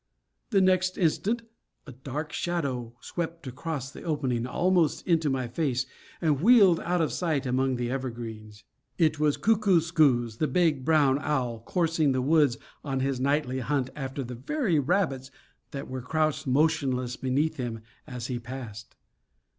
The next instant a dark shadow swept across the opening, almost into my face, and wheeled out of sight among the evergreens. It was Kookoo skoos, the big brown owl, coursing the woods on his nightly hunt after the very rabbits that were crouched motionless beneath him as he passed.